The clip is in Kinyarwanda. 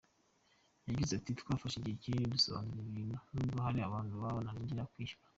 Yagize ati “Twafashe igihe kinini dusobanura ibi bintu nubwo hari abantu banangira kwishyura.